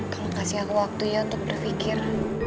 kalo kasih aku waktunya untuk berpikir